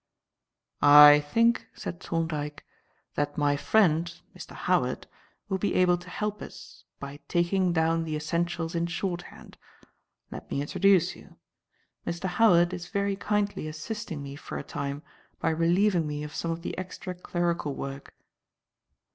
"I think," said Thorndyke, "that my friend, Mr. Howard, will be able to help us by taking down the essentials in shorthand. Let me introduce you. Mr. Howard is very kindly assisting me for a time by relieving me of some of the extra clerical work."